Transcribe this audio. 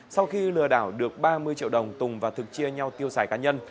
sau khi lừa đảo được ba mươi triệu đồng tùng và thực chia nhau tiêu xài cá nhân